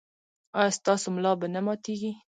ایا ستاسو ملا به نه ماتیږي؟